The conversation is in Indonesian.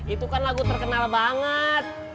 itu kan lagu terkenal banget